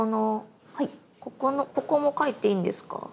ここも描いていいんですか？